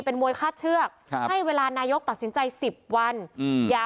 เป็นมวยคาดเชือกครับให้เวลานายกตัดสินใจสิบวันอืมอย่า